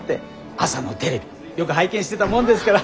朝のテレビよく拝見してたもんですから。